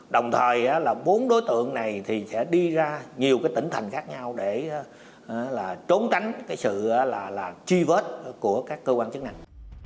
đồng thời là bốn đối tượng này thì sẽ đi ra nhiều tỉnh thành khác nhau để trốn tránh cái sự truy vết của các cơ quan chức năng